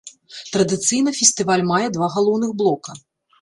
Традыцыйна фестываль мае два галоўных блока.